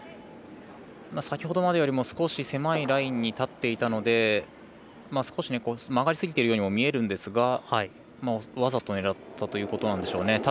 先ほどまでよりも少し狭いラインに立っていたので少し、曲がりすぎているようにも見えるんですがわざと狙ったということなんでしょうね。